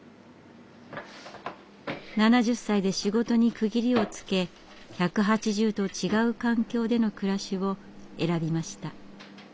７０歳で仕事に区切りをつけ１８０度違う環境での暮らしを選びました。